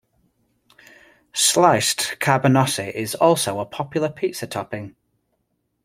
Sliced cabanossi is also a popular pizza topping.